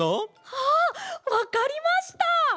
あっわかりました！